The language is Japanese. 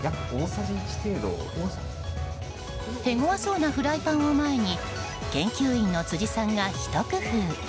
手ごわそうなフライパンを前に研究員の辻さんがひと工夫。